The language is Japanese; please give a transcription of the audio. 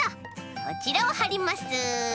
こちらをはります。